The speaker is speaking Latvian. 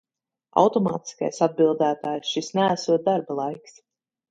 Automātiskais atbildētājs, šis neesot darba laiks.